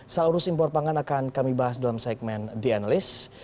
salah urus impor pangan akan kami bahas dalam segmen the analyst